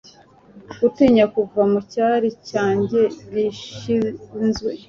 gutinya kuva mucyari cyanjye gishyizwe